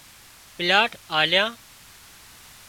پلاٽ آليا